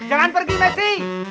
jangan pergi mes si